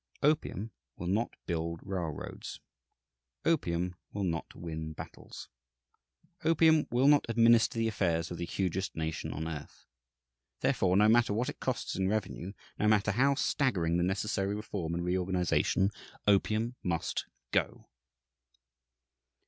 Opium will not build railroads. Opium will not win battles. Opium will not administer the affairs of the hugest nation on earth. Therefore, no matter what it costs in revenue, no matter how staggering the necessary reform and reorganization, opium must go.